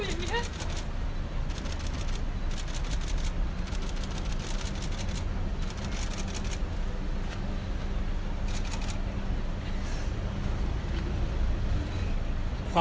ไม่ใช่นี่คือบ้านของคนที่เคยดื่มอยู่หรือเปล่า